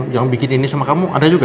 jangan bikin ini sama kamu ada juga